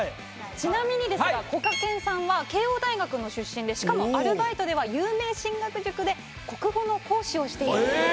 ちなみにですがこがけんさんは慶應大学の出身でしかもアルバイトでは有名進学塾で国語の講師をしていたそうです。